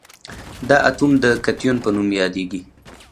دا اتوم د کتیون په نوم یادیږي.